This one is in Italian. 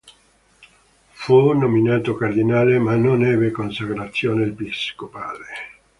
Fu nominato cardinale ma non ebbe consacrazione episcopale.